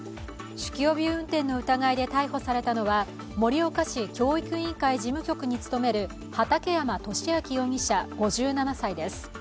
酒気帯び運転の疑いで逮捕されたのは盛岡市教育委員会事務局に勤める畠山俊明容疑者５７歳です。